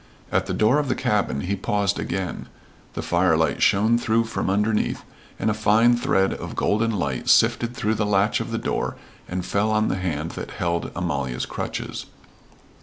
At the door of the cabin he paused again. The firelight shone through from underneath, and a fine thread of golden light sifted through the latch of the door and fell on the hand that held Amalia's crutches.